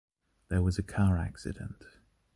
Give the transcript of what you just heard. There was a car accident.